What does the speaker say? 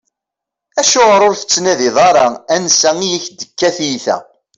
Acuɣeṛ ur tettnadiḍ ara ansa i ak-d-tekka tyita?